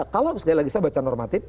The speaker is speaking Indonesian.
kalau sekali lagi saya baca normatif